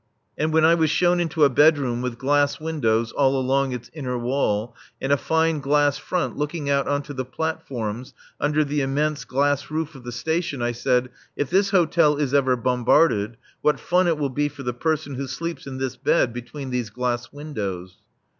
And when I was shown into a bedroom with glass windows all along its inner wall and a fine glass front looking out on to the platforms under the immense glass roof of the station, I said, "If this hotel is ever bombarded, what fun it will be for the person who sleeps in this bed between these glass windows."